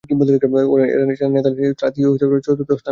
এছাড়া নেদারল্যান্ডস তৃতীয় ও ব্রাজিল চতুর্থ স্থান অধিকার করে।